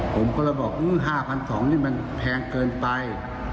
ผมก็เลยบอก๕๒๐๐นี่มันแพงเกินไป